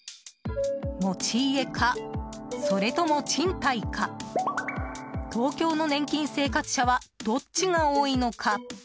持ち家か、それとも賃貸か東京の年金生活者はどっちが多いのか？